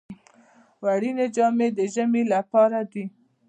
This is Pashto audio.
وړینې جامې د ژمي لپاره دي